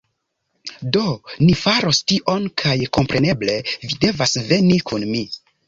Do, ni faros tion kaj kompreneble vi devas veni kun mi